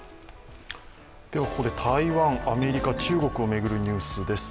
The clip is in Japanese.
ここで台湾、アメリカ、中国を巡るニュースです。